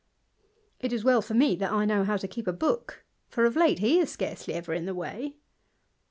It is well for me that I know how to keep a book, for of e he is scarcely ever in the way.